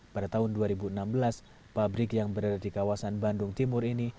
pada tahun dua ribu enam belas pabrik yang berada di kawasan bandung timur ini